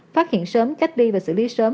phát hiện sớm cách đi và xử lý sớm